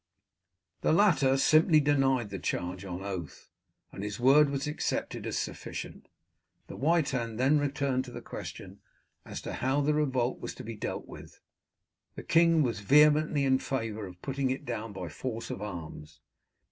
The latter simply denied the charge on oath, and his word was accepted as sufficient. The Witan then turned to the question as to how the revolt was to be dealt with. The king was vehemently in favour of putting it down by force of arms.